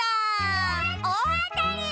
おおあたり！